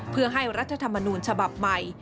เพื่อให้รัฐธรรมนูญฉบับใหม่